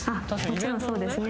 もちろんそうですね